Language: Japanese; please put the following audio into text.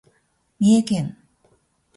三重県